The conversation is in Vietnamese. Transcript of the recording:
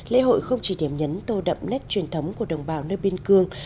lễ hội không chỉ điểm nhấn tô đậm nét truyền thống của đồng bào nơi biên cương